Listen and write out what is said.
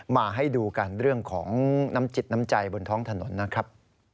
มาให้ดูกันเรื่องของน้ำจิตน้ำใจบนท้องถนนนะครับ